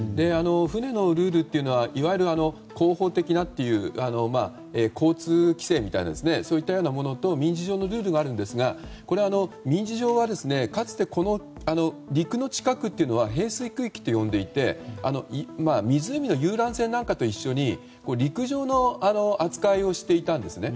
船のルールというのはいわゆる航法的なという交通規制みたいなそういったようなものと民事上のルールがあるんですがこれは、民事上はかつて陸の近くというのは平水区域と呼んでいて湖の遊覧船なんかと一緒に陸上の扱いをしていたんですね。